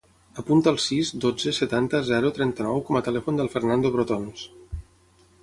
Apunta el sis, dotze, setanta, zero, trenta-nou com a telèfon del Fernando Brotons.